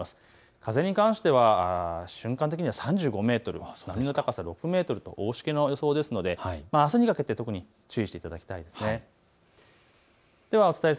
風に関しては瞬間的には３５メートル波の高さは６メートルと大しけの予想ですのであすにかけて特に注意していただきたいと思います。